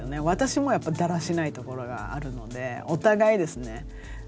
私もやっぱだらしないところがあるのでお互いですね。